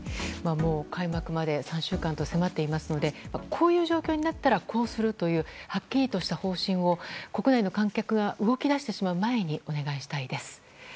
もう開幕まで３週間と迫っていますのでこういう状況になったらこうするというはっきりした方針を国内の観客が動き出してしまう前にお願いしたいです。